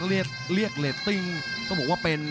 เรียกเรียกเรตติ้งต้องบอกว่าเป็น